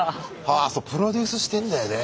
あそうプロデュースしてんだよね。